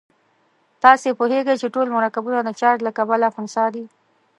تاسې پوهیږئ چې ټول مرکبونه د چارج له کبله خنثی دي.